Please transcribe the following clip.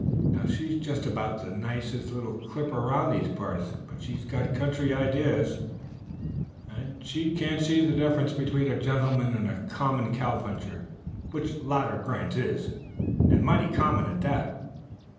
Now she's just about the nicest little clipper around these parts, but she's got country ideas, and she can't see the difference between a gentleman and a common cowpuncher which latter Grant is, and mighty common, at that.